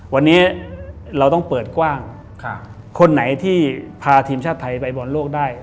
วันนี้เราต้องเปิดกว้างคนไหนที่พาทีมชาติไทยไปบอลโลกได้